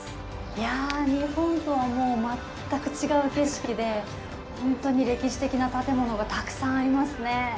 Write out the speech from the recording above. いや、日本とは全く違う景色で本当に歴史的な建物がたくさんありますね。